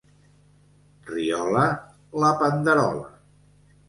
Riola, la panderola.